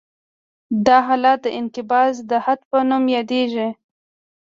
دا حالت د انقباض د حد په نوم یادیږي